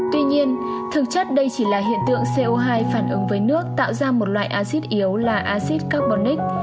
tuy nhiên thực chất đây chỉ là hiện tượng co hai phản ứng với nước tạo ra một loại acid yếu là acid carbonic